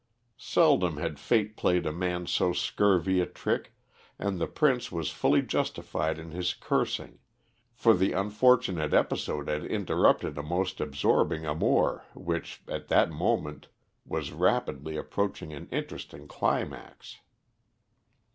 Seldom had fate played a man so scurvy a trick, and the Prince was fully justified in his cursing, for the unfortunate episode had interrupted a most absorbing amour which, at that moment, was rapidly approaching an interesting climax.